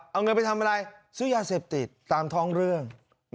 เอาเงินไปทำอะไรซื้อยาเสพติดตามท้องเรื่อง